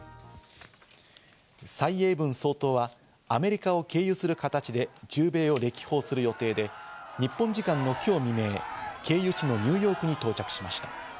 サイ・エイブン総統はアメリカを経由する形で中米を歴訪する予定で、日本時間の今日未明、経由地のニューヨークに到着しました。